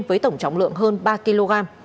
với tổng trọng lượng hơn ba kg